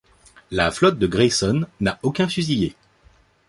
La Flotte de Grayson n'a aucun fusiliers.